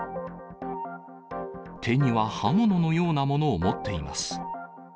手には刃物のようなものを持っています。